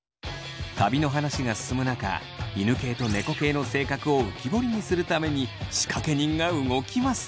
旅の話が進む中犬系と猫系の性格を浮き彫りにするために仕掛け人が動きます！